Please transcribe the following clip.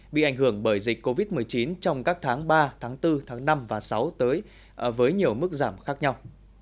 bị ảnh hưởng bởi dịch covid một mươi chín trong các tháng ba tháng bốn tháng năm và sáu tới với nhiều mức giảm khác nhau